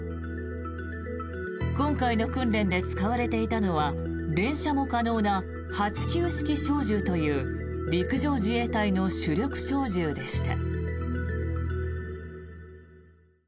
今回の訓練で使われていたのは連射も可能な８９式小銃という陸上自衛隊の主力小銃でした。